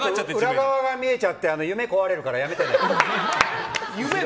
裏側が見えちゃって夢壊れるからごめんね。